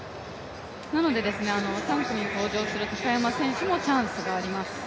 なので、３組に登場する高山選手もチャンスがあります。